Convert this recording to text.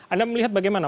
anda melihat bagaimana